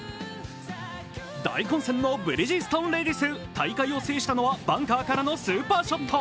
大混戦のブリヂストン・レディース大会を制したのはバンカーからのスーパーショット。